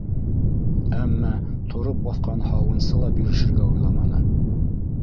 Әммә тороп баҫҡан һауынсы ла бирешергә уйламаны: